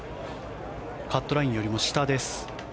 カットラインよりも下です。